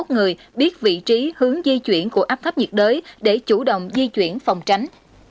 một trăm hai mươi một chín trăm sáu mươi một người biết vị trí hướng di chuyển của áp thấp nhiệt đới để chủ động di chuyển phòng tránh